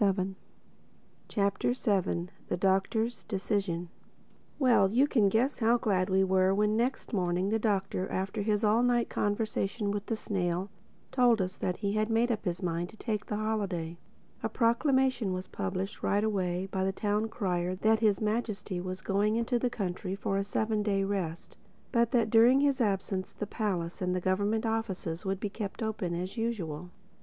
THE SEVENTH CHAPTER THE DOCTOR'S DECISION WELL, you can guess how glad we were when next morning the Doctor, after his all night conversation with the snail, told us that he had made up his mind to take the holiday. A proclamation was published right away by the Town Crier that His Majesty was going into the country for a seven day rest, but that during his absence the palace and the government offices would be kept open as usual.